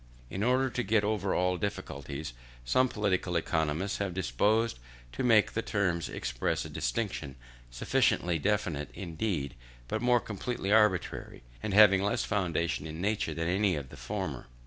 In order to get over all difficulties, some political economists seem disposed to make the terms express a distinction sufficiently definite indeed, but more completely arbitrary, and having less foundation in nature, than any of the former.